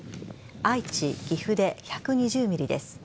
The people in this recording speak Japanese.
愛知、岐阜で１２０ｍｍです。